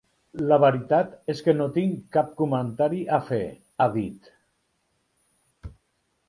La veritat és que no tinc cap comentari a fer, ha dit.